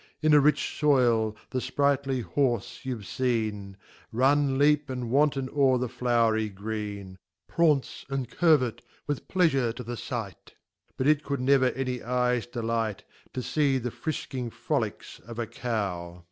In a rich Spy], the fprightly Horfe y'have feen, Run, leap, .and wanton ore the flow'ry green, Praunce,.and curvet, with : pleafure to, the, fight 3 Bui it. could never any eyes. delight, To fee the frisking frOlicks of a Cow